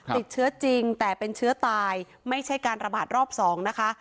ติดเชื้อจริงแต่เป็นเชื้อตายไม่ใช่การระบาดรอบ๒นะคะ